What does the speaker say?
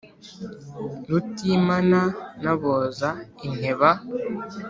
Rutimana n’ aboza inteba